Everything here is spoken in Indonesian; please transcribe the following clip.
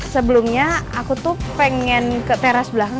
sebelumnya aku tuh pengen ke teras belakang